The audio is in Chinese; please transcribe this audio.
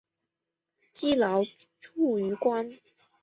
积劳卒于官。